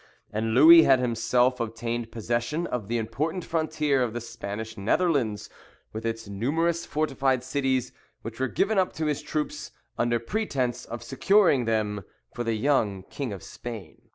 And Louis had himself obtained possession of the important frontier of the Spanish Netherlands, with its numerous fortified cities, which were given up to his troops under pretence of securing them for the young King of Spain.